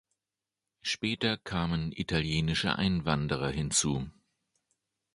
Später kamen italienische Einwanderer hinzu.